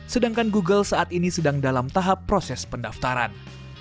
sedangkan google saat ini sedang dalam tahap proses pendaftaran